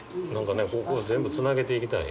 ここを全部つなげていきたい。